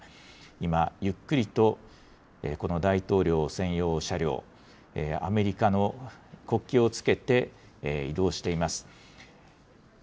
今、ゆっくりとこの大統領専用車両、アメリカの国旗をつけて、移動しています。